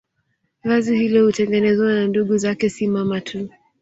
Vazi hilo hutengenezwa na ndugu zake si mama tu